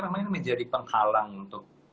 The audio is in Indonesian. namanya menjadi penghalang untuk